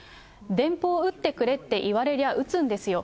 電報打ってくれって言われりゃ打つんですよ。